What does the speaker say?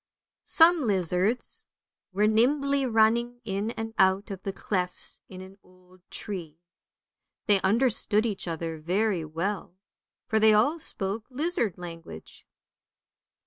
SOME lizards were nimbly running in and out of the clefts in an old tree. They understood each other very well, for they all spoke lizard language.